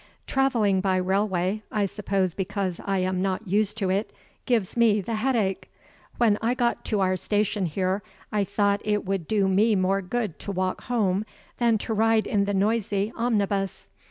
Traveling by railway (I suppose because I am not used to it) gives me the headache. When I got to our station here, I thought it would do me more good to walk home than to ride in the noisy omnibus.